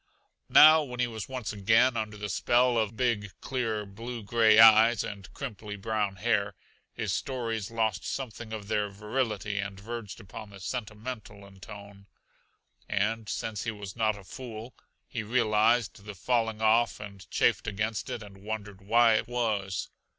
Now, when he was once again under the spell of big, clear, blue gray eyes and crimply brown hair, his stories lost something of their virility and verged upon the sentimental in tone. And since he was not a fool he realized the falling off and chafed against it and wondered why it was.